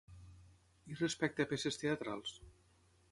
I respecte a peces teatrals?